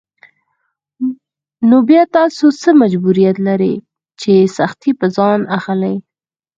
نو بيا تاسو څه مجبوريت لرئ چې سختۍ پر ځان اخلئ.